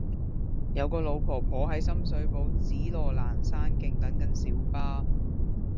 有個老婆婆喺深水埗紫羅蘭山徑等緊小巴